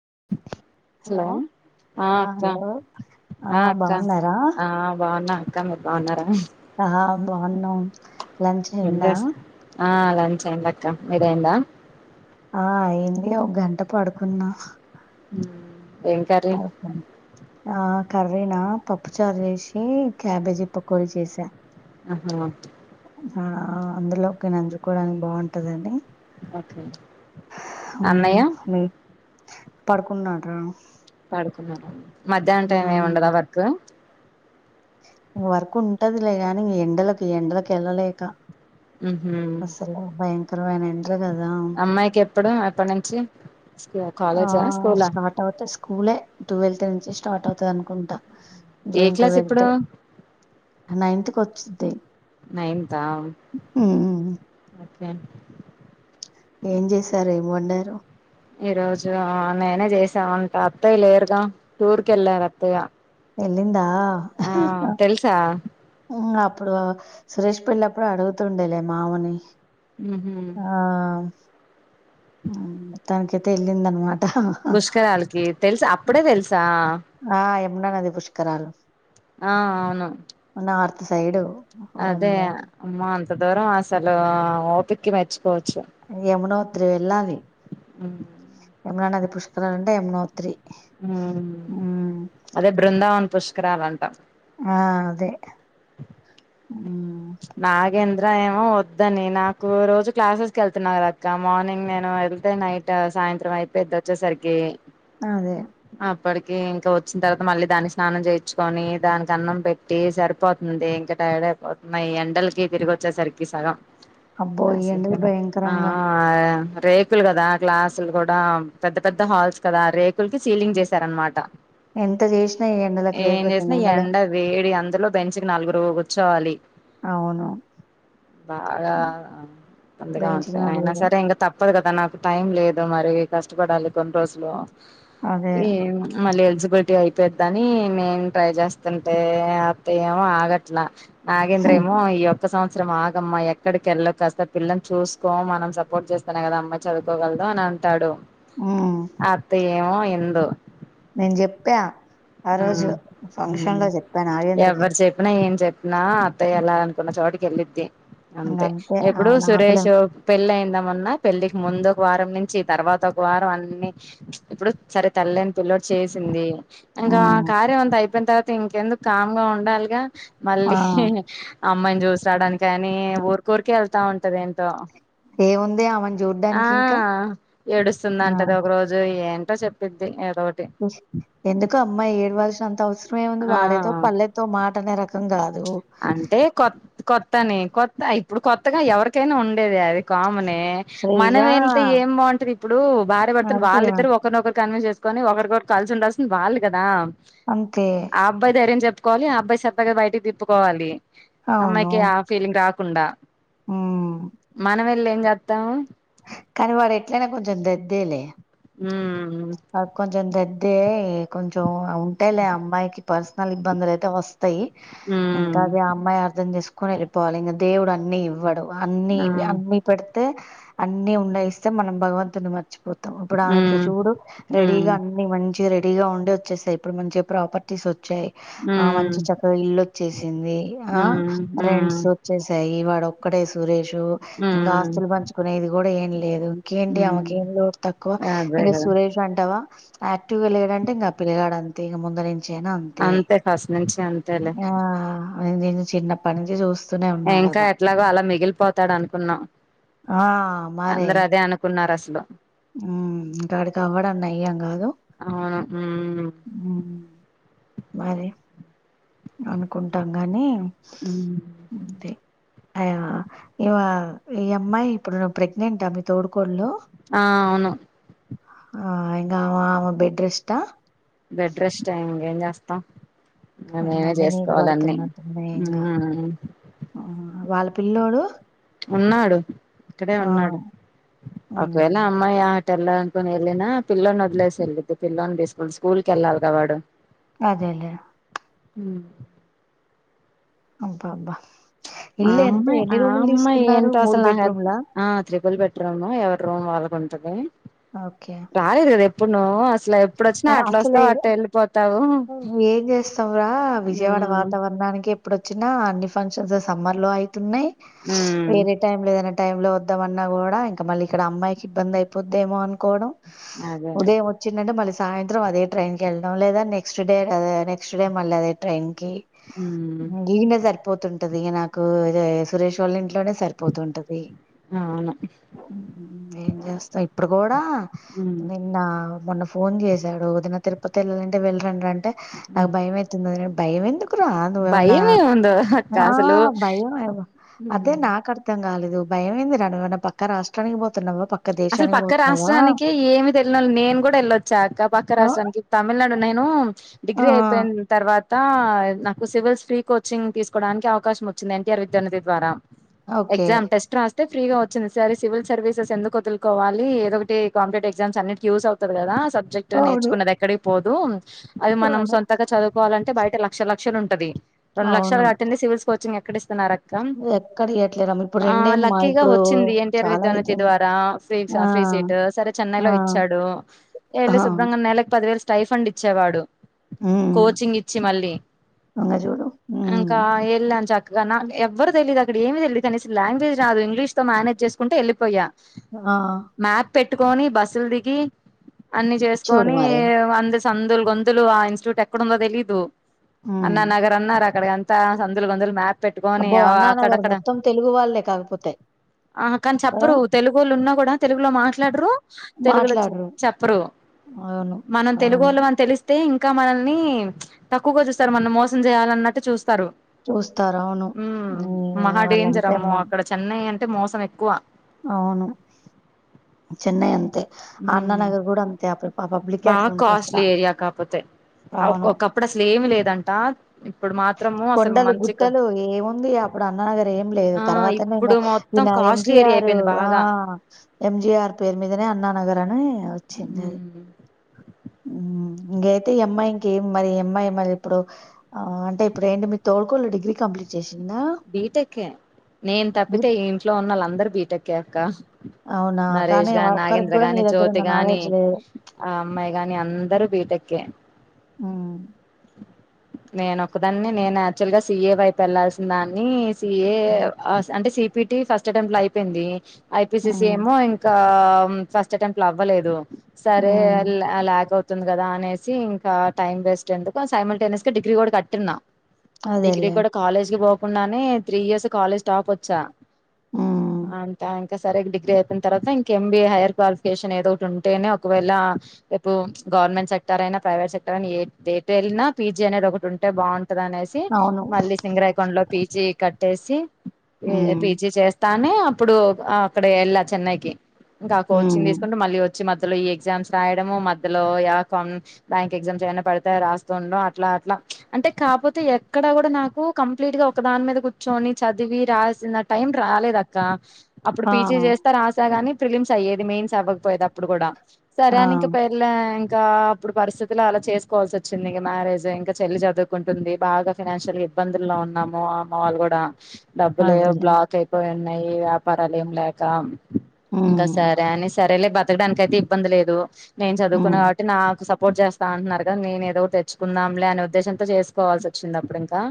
[inaudible] Hello ఆ అక్కా ఆ అక్కా ఆ బాగున్నా అక్కా మీరు బాగున్నారా? అహ బాగున్నం. ఆ లంచ్ అయిందక్క మిదైందా? ఆ అయింది ఒక్ గంట పడుకున్నా. ఏం కర్రీ ఆ కర్రీనా పప్పు చారు చేసి క్యాబేజీ పకోడి చేసా. అహ ఆ అందులోకె నంజుకోడానిక్ బాగుంటదని ఓకే అన్నయ్య మ్ హ్ పడుకున్నాడ్రా మధ్యాహ్నం టైం ఏం ఉండదా వర్క్ వర్క్ ఉంటదిలే గానీ ఈ ఎండలకు ఎండలక్ ఎళ్ళలేక మ్ హ్ ఎండలు కదా అమ్మాయికెప్పుడు ఎప్పట్ నుంచి స్కూ ఆ కాలేజా స్కూలా స్టార్ట్ అవుతే స్కూలే ట్వెల్త్ నుంచి స్టార్ట్ అవుతద్ అనుకుంటా ఏ క్లాస్ ఇప్పుడూ నైన్త్ కొచ్చుద్ది. నైన్తా ఓకే ఏం చేశారు ఏం వండారు ఈ రోజు ఆనియనే చేసా అంత అత్తయ్య లేరుగా టూర్కెళ్ళార్ అత్తయ్య. ఎల్లిందా? ఆ తెల్సా? ఉమ్, అప్పుడు సురేష్ పెళ్లప్పుడు అడుగుతుండేలే మామని ఉహు ఆ తనకైతే ఎల్లిందన్మాట్ పుష్కరాలకి తెల్స అప్పుడే తెల్సా ఆ ఎమున నది పుష్కరాలు ఆ అవును. నార్త్ సైడ్ అదే అమ్మో అమ్మా అంత దూరమ అసలు ఓపిక్కి మెచ్ యమునోత్రి వెళ్ళాలి. మ్ ఎమునా నది పుష్కరాలంటే ఎంనోత్రి మ్ అదే బృందావన్ పుష్కరాలంట. ఆ అదే ఉమ్, నాగేంద్ర ఏం ఆ వద్దని నాకు రోజు క్లాసెస్కి ఎళ్తున్నా కదక్క మార్నింగ్ నేను ఎళ్తే నైట్ సాయంత్ర అయిపోయిద్ వచ్చేసరికి అదే ఇప్పటికీ ఇంకా వచ్చిన్ తర్వాత మళ్ళీ దాన్ని స్నానం చేయించ్చుకోని దానిక్ అన్నం పెట్టి సరిపోతుంది ఇంక టైడ్ అయిపోతున్నా ఈ ఎండల్కి తిరిగొచ్చేసరికి సగం అబ్బో ఈ ఎండలు ఆ ఆ భయంకరంగా రేకుల్ కదా క్లాసులు కూడా పెద్ద పెద్ద హాల్స్ కదా రేకుల్కి సీలింగ్ చేసార్ అన్నమాట. ఎంత చేసినా ఈ ఎండలకు ఏం రేకుల కింద చేసిన ఉండలేం ఎండ వేడి అన్ ద్లో బెంచ్కి నలుగురు కూర్చోవాలి అవును బాగా ముందుగా ఉంట వేయించినారు అయినా కదా సరే ఇంక తప్ తప్పదు కదా నాకు టైం లేదు మరి కష్టపడాలి కొన్ని రోజులు అదే ఈ మళ్ళీ న్సిపులిటీ అయిపోద్దని నేను ట్రై చేస్తుంటే అత్తయేమో ఆగట్లా నాగేంద్రేమో ఈ ఒక్క సంవ త్సరం ఆగమ్మా ఎక్కడికెళ్ళ కాస్త పిల్లని చూసుకో మనం సపోర్ట్ చేస్తానే కదామ్మాయి చదుకోగలదు అని అంటాడు ఊ అత్తయ్య ఏమో ఇందు నేను చెప్పా ఆ రోజు ఫంక్షన్ లో చెప్పా నాగేంద్రకి ఎవరు చెప్పినా ఏం చెప్ నా అత్తయ్య ఎల్లాలనుకున్నా చోటికి ఎళ్ళిద్ది ఇంక అంతే ఇప్పుడు ఆమెను ఆపలేం సురేష్ పెళ్లి అయిందామన్నా పెళ్ళికి ముందు ఒక వారం నుం చ్చి తర్వాత ఒక వారం అన్ని ఇప్పుడు సరే తల్లి లేని పిల్లోడు చేసింది ఇంకా ఆ ఉమ్ కార్యం అంత అయిపోయిన తర్వాత ఇంకెందుకు కామ్ గా ఉండాలిగా ఆ మళ్ళీ అమ్మాయిని చూసాడాని కాని ఊరుకురికె వెళ్తా ఉంటది ఏం ఏముంది ఆమెను ఆ చూడ్డానికి ఇంకా ఆ ఏడుస్తుందంటది ఒక రోజు ఏ అంటా చెప్పిద్ది ఏదో ఒకటి ఇంక అమ్మాయి ఏడవలసిన అంత అవసరముంది వాడైతో ఆ పల్లెతి ఒ మాట అనే రకం గాదు అంటే కొత్త కొత్తని కొత్త ఇప్పుడు కొత్తగా ఎవరికైనా ఉండేదే అది కామనే శ్రీజ మనం వెళ్తే ఏం బాగుంటది ఇప్పుడు భార్య భర్తలు అంతేగా వాళ్ళిద్దరు ఒకరినొకరు కన్విన్స్ చేసుకొని ఒకరికొరు కలిసి ఉండాల్సింది వాళ్ కదా అంతే ఆ అబ్బాయి ధైర్యం చెప్ ప్పుకోలి ఆ అబ్బాయి సరదాగా బయటికి తిప్పుకోవాలి అవును అమ్మాయికి ఆ ఫీలింగ్ రాకుండా ఉమ్ మనం వెళ్ళి ఏం చేత్తాము కానీ వాడు ఎట్లయినా కొంచెం దద్దేలే ఉ అదే కొంచెం ఉంటేలే అమ్మాయికి పర్సనల్ ఇబ్బందులు అయితే వస్ వస్తయి ఇంకా మ్మ్ అది ఆ అమ్మాయి అర్థం చేసుకొని వెళ్ళిపోవాలి ఇంకా దేవుడు అన్ని ఇవ్వడు అన్ని ఆ అన్నీ పెడితే అన్ని ఉండయిస్తే మనం భగవంతుని మర్చిపో త్తాం ఇప్పుడు ఆమెకి మ్మ్ చూడు మ్మ్ రెడీగా అన్ని మంచిగ రెడీగా ఉండే వచ్చేస్తాయి ఇప్పుడు మంచి ప్రాపర్టీస్ వచ్ వచ్చాయ్ ఆ మ్మ్ మంచి చక్కగా ఇల్లు వచ్చేసింది ఆ మ్మ్ మ్మ్ రెండ్స్ వచ్చేసాయి ఒక్కడే సురేషు ఇంకా మ్మ్ ఆస్తులు పంచుకునేది కూడా ఏం లేదు ఇకేంటి మ్మ్ ఆమకేమి లోడ్ తక్కువ అదే ఇంకా కదా సురేష్ అంటావా యాక్టివ్గా లేడంటే ఇంకా పిలగాడ్ అంతే ఇంగ ము నా అంతే ఫస్ట్ నుంచి అంతేలే ఆ నేను చిన్నప్పటి నుంచి చూస్ ఇంకా ఎట్లాగో అలా మిగిలిపోతాడు అనుకున్నాం ఆ అందరు అదే అనుకున్నారు అసలు ఇంకా అడికి అవ్వడం నయ్యం కదు అవును మరి అనుకుంటాం గానీ ఉమ్ అంతే అ ఇవా ఈ అమ్మాయి ఇప్పుడు ప్రెగ్నెంటా మీ తోడి కోడలు ఆ అవును ఆ ఇంగా ఆమ ఆమ బెడ్ రెస్టా బెడ్ రెస్టే ఇంకేం చేస్తాం ఆ మేమే అన్ని నీకు చేసుకోవాలన్నీ పడుతున్నట్టున్నాయి ఇంగా వాళ్ళ పిల్లోడు ఉన్నాడు ఇక్కడే ఆ ఉన్నాడు మ్మ్ ఒకవేళ అమ్మాయి ఎల్లా అనుకొని వెళ్ళినా పిల్లోని వొదిలేసి వెళ్లిద్ది పిల్లోన్ని తీస్కొని స్కూల్ క వెళ్ళాలి క వాడు అదేలేే అ అబ్బా అబ్బా ఆ ఇల్లు ఎంత అమ్మాయి ఎన్ని ఆ రూములు అమ్మాయి తీసుకున్నారు ఏంటో మూడు అసలు నాకు బెడ్రూమ్లా ఆ త్రిపుల్ బెట్రూమ్ ఎవరు రూమ్ వాళ్ళకుం ఓకే ప్పున అసలే ఏం జేస్తాంరా విజయవాడ ఉమ్ వాతావరణానికి ఇప్పుడు వచ్చినా అన్ని ఫంక్షన్స్ సమ్మర్ లో అయితున్నాయి వేరే టైంలో టైమ్ లో వద్దామన్నా కూడా ఇంకా మళ్ళీ ఇక్కడ అమ్మాయికి ఇబ్బంది అయిపోద్దెమో అనుకోవడం అదే అంటే మళ్ళీ సాయంత్రం అదే ట్రైన్ కి వెళదాం లేదా నెక్స్ట్ డే నెక్స్ట్డే మళ్ళీ అదే ట్రైన్ కి ఉమ్ ఈనే సరిపోతుంటది ఇక నాకు ఇద సురేష్ వాళ్ళ ఇంట్ లోనే సరిపోతుంటది అవును ఏం చేస్తాం ఇప్పుడు కూడా ఉమ్ నిన్న మొన్న ఫోన్ చేసాడు వదిన తిరుపతి వెళ్ళాలంటే వెళ్ళరండి అంటే నా భయమయితున్నది భయమ ఎందుకు రా నువ్వు ఏమనా భయం ఏముందో అక్క అసలు భయంవ అదే నాకు అర్థం కాలేదు భయమైంది రా మన పక్క రాష్ట్రానికి పోతున్నావా పక్క అసలు దేశానికి పక్క పోతున్నావా? రాష్ట్రానికి ఏమి తెలిన వాళ్ళు నేను కూడా వెళ్ళొచ్చాక్క పక్క ఆ! రాష్ట్రానికి తమిళనాడు నేను ఆ! డిగ్రీ అయిపోయిన తర్వాత్ నాకు సివిల్స్ ఫ్రీ కోచింగ్ తీసుకోవడానికి అవకాశం వచ్చింది ఎన్టీఆర్ విద్యార్థి నిధి ద్వారా ఓకే. ఎగ్జామ్ టెస్ట్ రాస్తే ఫ్రీగా వచ్చింది సారి సివిల్ సర్వీసెస్ ఎందుకు వదుల్ కోవాలి ఏదోకటి కాంపిటేటివ్ ఎగ్జామ్స్ అన్నిటికి యూజ్ అవుతది కద అవును. నేర్చుకున్నది ఎక్కడికి పోదు అది మనం అవును. సొంతంగా చదువుకోవాలంటే బయట లక్ష లక్షలు ఉంటది రెండు లక్షలు అవును. కట్టండి సివిల్స్ కోచింగ్ అక్కడిస్తున్నారు ఎక్కడియట్లేరమ్మ. ఇప్పుడు ఆ రెండేమ్మా లక్కీగా ఇప్పుడు వచ్చింది ఎన్టీఆర్ చాలా విద్వాని అయితుంది. ద్వారా ఆ! సాఫ్రీ సీట్ సరే చెన్నై ఆ! లో ఇచ్చాడు ఆ! వెళ్లేసి వద్దాం నెలకి పదివేలు స్టై ఫండ్ ఇచ్చేవాడు హ్మ్. కోచింగ్ ఇచ్చి మళ్ళీ ఇంగ చూడు. హ్మ్. ఇంకా వెళ్ళ చక్క నా ఎవరు తెలియదు అక్కడ ఏమి తెలియదు అనేసి లాంగ్వేజ్ రాదు ఇంగ్లీష్ తో మేనేజ్ చేసుకుంటు వెళ్ళిపోయా ఆ మ్యాప్ పెట్టుకొని బస్సులు దిగి అన్ని చూడు చేసుకోని మరి. అంద సందులు గొందులు ఆ ఇన్స్టిట్యూట్ ఎక్కడ ఉందో తెలీదు అన్న హ్మ్. నగర్ అన్నారు ఇక్కడకంతా సందులు వందులు మ్యా అబ్బో అన్నానగరు మొత్తం తెలుగు వాళ్ళే కాకపోతే అ కాని కదా చెప్పరు తెలుగోళ్లు ఉన్నా కూడా తెలుగులో మాట్లాడరు తెలుగులో చెప్ మాట్లాడరు చెప్పరు అవును మనం అవును తెలుగోళ్ళ మని తెలిస్తే ఇంకా ఇంకా మనల్ని తక్కువగా చూస్తారు మనం మోసం చేయాలన్నట్టు చూస్ తర్ చూస్తారు అవును మ్ మ్మ్ మహా డేంజర్ వాళ్ళంతే ఆమ్మో అమ్మా అక్కడ చెన్నై అన్ ట్టే మోసం ఎక్కువ అవును చెన్నై అంతే ఉమ్ అన్ననగర్ గుడా అంతే అక్కడ ప పబ్లికే అట్లుంటర్ అసలా అవ్ ఒక్కోక్కప్పుడు అసల్ ఏం లేదంట ఇప్ కొండలు గుట్టలు ఏముంది అప్పుడు అన్ననగర్ ఏం లేదు ఆ తర్వాతనే ఇంగ ఇప్పుడు మొత్తం వినా కాస్ట్లీ ఏరియా ఎంజిఆర్ అయిపోయింది ఆ బాగా ఎంజిఆర్ పేర్ మీదనే అన్నా నగర్ అనీ మ్ మ్ ఇంగైతే ఈ అమ్మాయి ఇంకేం మరి అమ్మాయి మరి ఇప్పుడు ఆ అంటే ఇప్పుడ్ ఏంటి మీతో కొడుకులు డిగ్రీ కప్లీట్ చేసి బీటెక్కే నేన్ తప్పితే ఈ ఇంట్లో ఉన్నోళ్లందరూ బీటెక్కే అక్క. అవునా? కానీ నరేష్ గా, ఒక్కరికి నాగేంద్ర గూడా నీ గాని, దగ్గరున్న జ్యోతి గాని నాలెడ్జ్ లేదు. ఆ అమ్మాయి గాని అందరు బీటెక్కే. మ్ నేన్ ఒక్కదాన్నే నేన్ యాక్చువల్గ సి ఎ వైప్ ఎళ్లాల్సిన్ దాన్నీ సీఏ హ్మ్. అ అంటే సిపిటి ఫస్ట్ అటెంప్ట్ల అయిపోయింద ఐపీసిసి హ్మ్. ఏమో ఇంకా కా ఫస్ట్ అటెంప్ట్ అవ్వలేదు. సరే హ్మ్. లాగ్ అవ్ తుంది కదా అనేసి ఇంకా టైం వేస్ట్ ఎందుకు సైమన్ టెన్నిస్కి డిగ్రీ కూడా కట్టిన డిగ్రీ అదేలే. కూడా కాలేజ్కి పోకుండానే త్రీ ఇయర్స్ కాలేజ్ టాప్ వచ్చా. హ్మ్. అంత ఇంకా సరే డిగ్రీ అయిపోయిన్ తర్వాత ఇంక ఎంబీఏ హైయర్ క్వాలిఫికేషన్ ఏదో ఓట్ ఉంటేనే ఒకవేళ రేపు గవర్నమెంట్ సెక్టార్ అయినా ప్రైవేట్ సెక్టార్ అయిన ఎట్ ఎటు ఎల్లిన పీజీ అనేది ఒకటి ఉంటే బాగుం టదనేసి అవును. మళ్ళీ సింగరైకాన్లో పీజి కట్టేసి ఎ హ్మ్. పీజి చేస్తా నే అప్పుడు అ అక్కడ ఎళ్ళా చెన్నైకి ఇంకా కోచింగ్ హ్మ్. తీస్కుంటు మళ్ళీ వచ్చి మ ధ్యలో ఈ ఎగ్జామ్స్ రాయడము మధ్యలో యా కమ్ బ్యాంక్ ఎగ్జామ్స్ ఏమైన పడ్తే రాస్తు ఉండడం అట్లా అట్లా అంటే కాపోతే ఎక్కడా గుడా నాకు కంప్లీట్గ ఒక్క దాన్ మీద కూర్చొని చదివి రాసిన టైం రాలేదక్క. అప్పుడు ఆ! పీజి చేస్తా రాసాగాని ప్రిలిమ్స్ అయ్యేది మెయిన్స్ అవ్వకపోయేది అప్పుడు గుడా సరే ఆ! అనిక పెర్లాయీ కా అప్పుడు పరిస్థితుల అలా చేస్కోవాల్సి వచ్చింది ఇగ మ్యారేజ్ ఇంకా చెల్లి చదువుకుంటుంది బాగా ఫైనాన్షియల్గ పందిర్లా ఉం అమ్మ మా అమ్మ వాళ్ళు గుడా డబ్బులు అదేలే. బ్లాక్ అయిపోయి ఉన్నాయి వ్యాపారాలేం లేక ఇంకా హ్మ్. సరే అని సరేలే బతకడానికితే ఇబ్బంది లేదు నేన్ చదువుకున్నా హ్మ్. కాబట్టి నాకు స సపోర్ట్ చేస్తా అంటున్నారు కదా నేన్ ఏదో తెచ్చుకుందాంలే అనే ఉద్దేశంతో చేస్కోవాల్స్ వచ్చింది అప్పుడు ఇంకా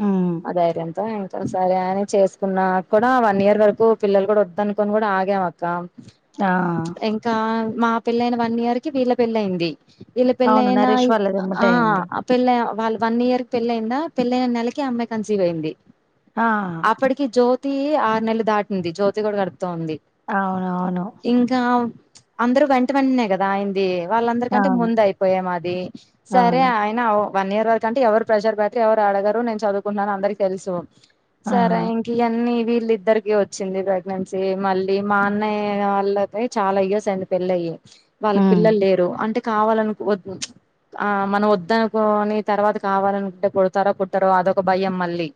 హ్మ్. సరే అంత ఇంకా సరే అని చేస్కున్నా కుడ వన్ ఇయర్ వరకు పిల్లల్ గుడా వద్ద అనుకొని గుడా ఆగాం అక్క. ఆ! ఇంకా మా పెళ్లైన వన్ ఇయర్కి వీళ్ళ పెళ్లైంది. ఇళ్ల అవును. పెళ్ళైనా నరేష్ ఇ వాళ్ళది ఆ ఎమ్మటే అయింది. పెళ్ళై వాళ్ వన్ ఇయర్క్ పెళ్లైందా పెళ్లైన నెలకె అమ్మాయి కన్సీవ్ అయింది. ఆ! అప్పటికి జో తీ ఆరు నెలలు దాటింది జ్యోతి కూడా కడుపుతో ఉంది. అవునవును. ఇంకా అందరు వెంట వెంట్నే కదా అయింది. వాళ్ళందరికంటే అవును. ముందైపోయే మాది అవును. సరే అవును. ఆయన అ వన్ ఇయర్ వరక్ అంటే ఎవరు ప్రెషర్ పె ఎవరు అడగరు నేన్ చదువుకున్నాన్ అందర్కీ తెల్సు ఆ! సరా ఇంకి యన్నీవి మళ్ళీద్దరికి వచ్చింది ప్రెగ్నెన్సీ మళ్ళీ మా అన్నయ్య వాళ్ళదే చాలా ఇయర్స్ అయింది పెళ్ళై వాళ్ళక్ హ్మ్. పిల్లల్ లేరు. అంటే కావాలన్ వద్ ఆ మనం వద్దనుకోని తర్వాత కావాలనుకుంటే పుడతారో పుట్టరో అదొక భయం మళ్ళీ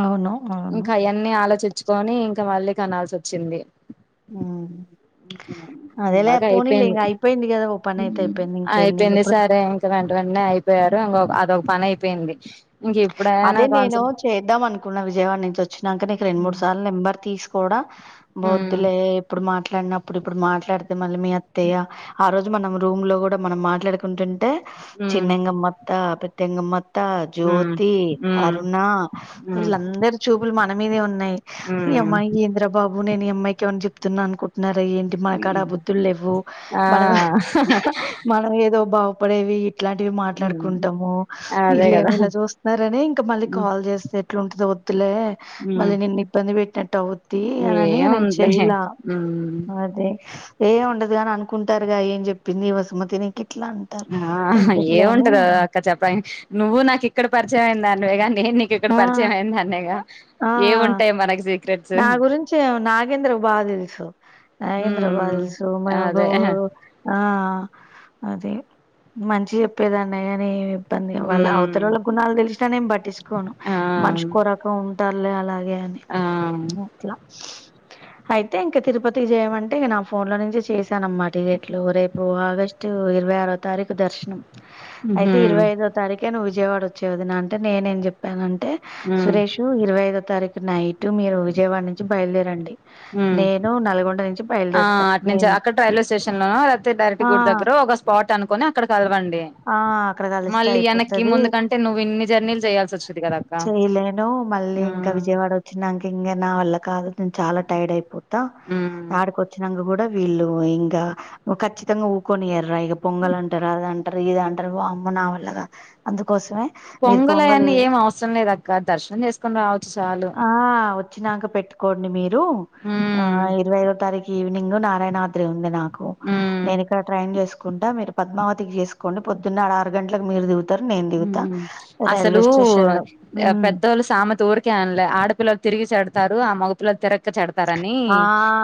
అవును. అవును. ఇంకా అయన్నీ ఆలోచిచ్చుకోని ఇంకా మళ్ళీ కనాల్స్ వచ్చింది. మ్ బాగా అయిపోయింది అయిపోయింది గదా! ఓ పనైతే అయిపోయింది. ఇంకేంది అయిపోయింది ఇంగిప్పుడు సరే ఇంకా వెంట వెంట బెన్న అయిపోయారు ఇంకొ అదొక పని అయిపోయింది ఇంక ఇప్పుడైనా అదే నేను కాన్సన్ చేద్దాం అనుకున్నా విజయవాడ నుంచి వచ్చినాక నీకు రెండు మూడు సార్లు నెంబర్ తీసి కూడా ఉమ్ వద్ధులే ఇప్పుడు మాట్లాడినప్పుడు ఇప్పుడు మాట్లాడితే మళ్ళీ మీ అత్తయ్య ఆ రోజు మనం రూమ్ లో కూడా మనం మాట్లాడుకుంటుంటే ఉమ్ చిన్నంగమ్మత్త పెద్దంగమ్మత్త తా ఉమ్ జోత్ తి ఉమ్ అరుణ ఉమ్ వీళ్ళందరి చూపులు మన మీదే ఉన్నాయి ఈ ఉమ్ అమ్మాయి ఎందిరా బాబు నేను ఈ అమ్మాయి కి ఏమని చెప్తున్నానుకుంటున్నారు ఏంటి మనకాడ బుద్ధులు లేవు ఆ మనం మనం ఏదో బావ ప్పుడేవి ఇట్లాంటివి మాట్లాడుకుంటాము అదే ఇల్లమో కదా ఇలా చూస్త సరని ఇంకా మళ్ళీ కాల్ చేస్తే ఎట్లుంటుది వద్దులే మళ్ళీ నిేన్న ఇబ్బంది పెట్టినట్టు అ తి అనే నేను ఏముందిలే చేయలా ఉమ్ అదే ఏ ఉండదు గాని అనుకుంటారుగా ఏం చెప్పింది వసుమతిని ఆ ఏముంటదా అక్క చెప్పడానికి నువ్వు నాకు ఇక్కడ పరిచయం అయింది దానివే కానీ నేను నీకు ఇక్కడ ఆ పరిచయంఅయినద ఆ నెగఏముంటాయి మనకి సీక్రెట్స్ బాదిల్సు ఇంద్ర ఉమ్ బాదిల్సు మనకు అదే ఆ అదే మంచి చెప్పేదన్నడియ అని ఇబ్బంది వాళ్ళ ఉమ్ అవతలోళ్ళ గుణాలు తెలిసినా నేను పట్టిుకోను ఆ మనిషికో రకం ఉంటారులే అలాగే అని ఆ అట్లా అయితే ఇంకా తిరుపతి చేయమంటేక నా ఫోన్ లో నుంచిే చేశానమ్మా టికెట్లు రేపు ఆగస్టు ఇ ఇరయ్ తారీఖు దర్శనం ఉహు అయితే ఇరవై ఐదో తారీఖే నువ్వు విజయవాడ వచ్చేవది నా అంటే నేనేం చెప్పానంటే అంటే ఉమ్ సురేష్ ఇరవై ఐదో తారీఖు నైట్ మీరు విజయవాడ నుంచి బయలుదేరండి ఉమ్ నేను నల్గొండ నుంచి ఆ బయలుదేరుతా అటు నుంచి నేను అక్కడ రైల్వే స్టేషన్ లోనో లేకపోతే డైరెక్ట్ ఆ గుడి దగ్గర ఒక స్పాట్ అనుకుని అక్కడ కలవండి ఆ అక్కడ కలిస్తే మళ్ళీ వెనక్కి అయిపోతది ముందు కంటే నువ్వు ఇన్ని జర్నీలు చేయాల్సి వచ్చేది కదా అక్క చేయలేను మళ్ళీ ఇంకా ఉమ్ విజయవాడ వచ్చినాంక ఇంకా నా వల్ల కాదు నేను చాలా టైడ్ అయిపోతా ఉమ్ ఆడికి వచ్చినాక కూడా వీళ్ళు ఇంకా ఖచ్చితంగా ఊకొని ఎర ఇక పొంగల్ అంటారా అ అంటారు ఇది అంటారు అమ్మ నా వల్లగా అందుకోసమే మీరు పొంగల్ పొంగలి అయన్నీ ఏం అవసరం లేదు అక్క దర్శనం చేసుకుొని రావచ్చు చాలు కోండి మీరు ఆ ఉమ్ ఇరవైఐవ తారీఖు ఈవినింగ్ నారాయణద్రి ఉంది నా ఉమ్ నేను ఇక్కడ ట్రైన్ చేసుకుంటా మీరు పద్మావతికి చేసుకోండి పొద్దున్న ఆరు గంటలకు మీరు దిగు నేను దిగుతా రైల్వే స్టేషన్ లో ఉమ్ పెద్దవాళ్ళు సామెత ఊరికేయనలే ఆడపిల్లలు తిరిగి చెడతారు ఆ మగు పల్ల తిర క్క చెడతారని ఆ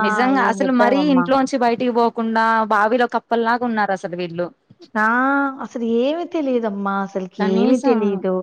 నిజంగా ఏం అసలు మరీ జెప్పావమ్మా. ఇంట్లో నుంచి బయటికి పో కాకుండా బావిలో కప్పల్లాగా ఉన్నారు అసలు వీళ్ళు నా అసలు ఏమి తెలియదమ్మా అసలుకి ఏమి కనీసం తెలియదు